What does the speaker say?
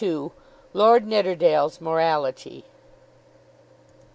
LORD NIDDERDALE'S MORALITY.